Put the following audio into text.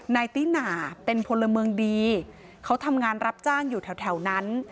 ติหน่าเป็นพลเมืองดีเขาทำงานรับจ้างอยู่แถวนั้น